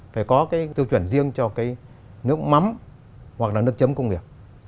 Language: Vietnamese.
phải có cái tiêu chuẩn riêng cho cái nước mắm hoặc là nước chấm công nghiệp